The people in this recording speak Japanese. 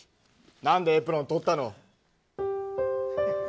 何でエプロン取ったの。